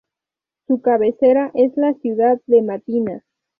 Su cabecera es la ciudad de Matina.